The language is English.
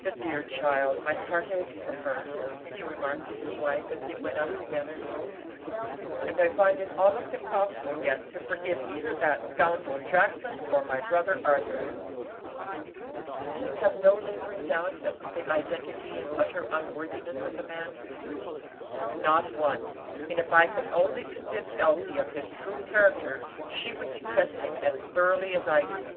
"The dear child; my heart aches for her," he remarked to his wife, as they went out together, "and I find it almost impossible yet to forgive either that scoundrel Jackson or my brother Arthur." "You have no lingering doubts as to the identity and utter unworthiness of the man?" "Not one; and if I could only convince Elsie of his true character she would detest him as thoroughly as I do.